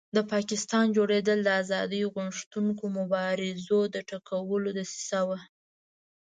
د پاکستان جوړېدل د آزادۍ غوښتونکو مبارزو د ټکولو دسیسه وه.